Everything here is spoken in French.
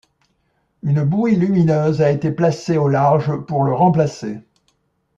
Une bouée lumineuse a été placée au large pour le remplacer.